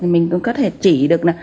mình cũng có thể chỉ được